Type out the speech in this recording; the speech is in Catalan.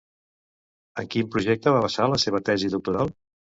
En quin projecte va basar la seva tesi doctoral?